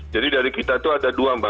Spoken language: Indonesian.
jadi dari kita itu ada dua